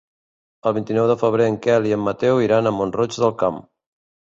El vint-i-nou de febrer en Quel i en Mateu iran a Mont-roig del Camp.